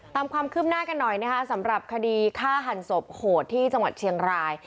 ตามความคืบหน้ากันหน่อยนะคะสำหรับคดีฆ่าหันศพโหดที่จังหวัดเชียงราย